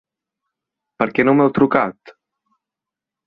Per què no m'heu trucat?